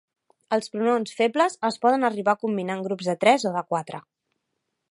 Els pronoms febles es poden arribar a combinar en grups de tres o de quatre.